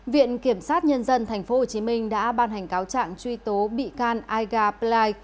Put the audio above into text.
viện kiểm sát nhân dân tp hcm đã ban hành cáo trạng truy tố bị can aiga ply